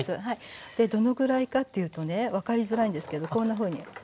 どのぐらいかっていうとね分かりづらいんですけどこんなふうに分かります？